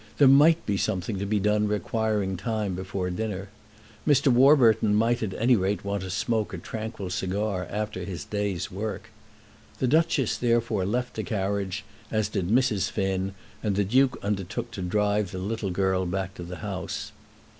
There might be something to be done requiring time before dinner. Mr. Warburton might, at any rate, want to smoke a tranquil cigar after his day's work. The Duchess therefore left the carriage, as did Mrs. Finn, and the Duke undertook to drive the little girl back to the house.